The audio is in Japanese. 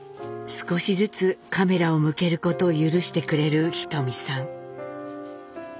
少しずつカメラを向けることを許してくれるひとみさん。